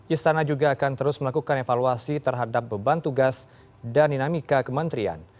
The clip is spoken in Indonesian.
istana juga akan terus melakukan evaluasi terhadap beban tugas dan dinamika kementerian